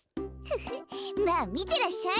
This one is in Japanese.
フフまあみてらっしゃい。